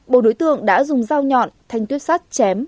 bộ đối tượng đã dùng dao nhọn thành tuyết sát chém